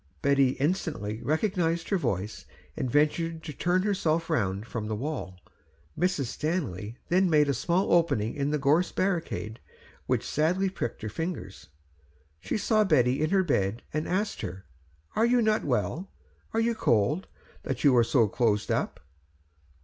Betty instantly recognised her voice, and ventured to turn herself round from the wall. Mrs. Stanley then made a small opening in the gorse barricade, which sadly pricked her fingers; she saw Betty in her bed and asked her, "Are you not well? are you cold, that you are so closed up?"